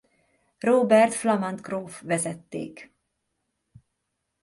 Róbert flamand gróf vezették.